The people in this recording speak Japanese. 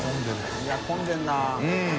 いや混んでるな。